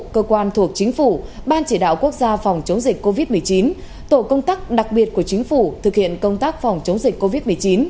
cơ quan thuộc chính phủ ban chỉ đạo quốc gia phòng chống dịch covid một mươi chín tổ công tác đặc biệt của chính phủ thực hiện công tác phòng chống dịch covid một mươi chín